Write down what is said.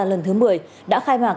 lần thứ một mươi đã khai mạc